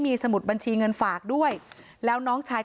พี่สาวบอกว่าไม่ได้ไปกดยกเลิกรับสิทธิ์นี้ทำไม